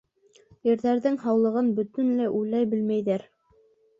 Ирҙәрҙең һаулығын бөтөнләй уйлай белмәйҙәр.